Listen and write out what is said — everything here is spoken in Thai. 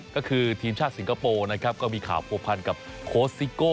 ก็คือทีมชาติสิงคโปร์นะครับก็มีข่าวผัวพันกับโค้ชซิโก้